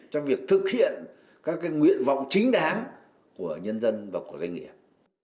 trong việc thực hiện các nguyện vọng chính đáng của nhân dân và của doanh nghiệp